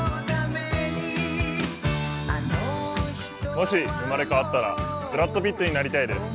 もし生まれ変わったらブラッド・ピットになりたいです。